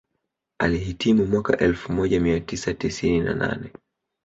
Alihitimu mwaka elfu moja mia tisa tisini na nane